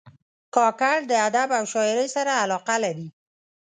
کاکړ د ادب او شاعرۍ سره علاقه لري.